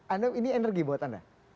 anda ini energi buat anda